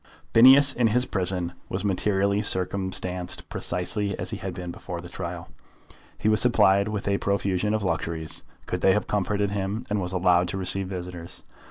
Phineas in his prison was materially circumstanced precisely as he had been before the trial. He was supplied with a profusion of luxuries, could they have comforted him; and was allowed to receive visitors.